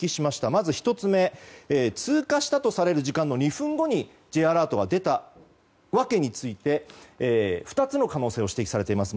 まず１つ目、通過したとされる時間の２分後にＪアラートが出た訳について２つの可能性を指摘されています。